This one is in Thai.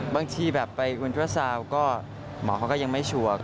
บางทีไปวิลลาเซอร์ศาวน์ก็มอคเขายังไม่ชัวร์